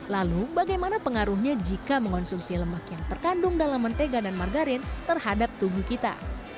lalu bagaimana pengaruhnya jika mengonsumsi lemak yang terkandung dalam mentega dan margarin terhadap tubuh kita